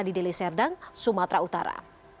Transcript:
di deliserdang sumatera utara